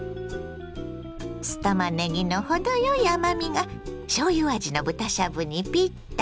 酢たまねぎの程よい甘みがしょうゆ味の豚しゃぶにピッタリ。